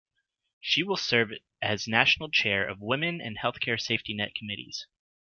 She will serve as national chair of Women, and Healthcare Safetynet committees.